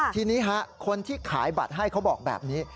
ทีนี้คนที่ขายบัตรให้เขาบอกแบบนี้